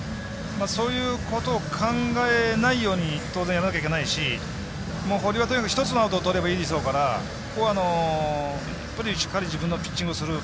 そういうことを考えないように当然やらないといけないし堀はとにかく１つのアウトをとればいいですからここは、しっかり自分のピッチングをする。